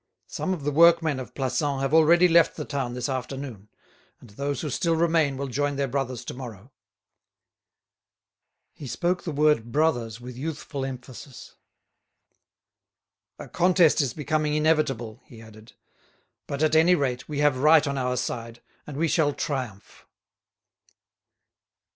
Some of the workmen of Plassans have already left the town this afternoon; those who still remain will join their brothers to morrow." He spoke the word brothers with youthful emphasis. "A contest is becoming inevitable," he added; "but, at any rate, we have right on our side, and we shall triumph."